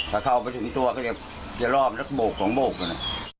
ถ้าเข้าไปถึงตัวก็จะกระบวน๔๒